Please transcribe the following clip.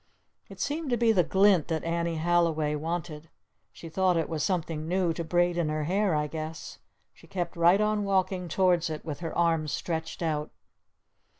It seemed to be the glint that Annie Halliway wanted. She thought it was something new to braid in her hair, I guess. She kept right on walking towards it with her arms stretched out.